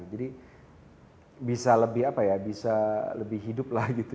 jadi bisa lebih apa ya bisa lebih hidup lah gitu